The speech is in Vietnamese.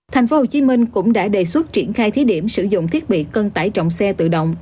tp hcm cũng đã đề xuất triển khai thí điểm sử dụng thiết bị cân tải trọng xe tự động